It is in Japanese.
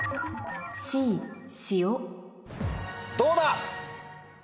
どうだ？